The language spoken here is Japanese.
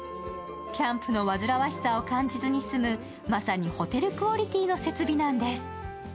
キャンプの煩わしさを感じずに済む、まさにホテルクオリティーの設備なんです。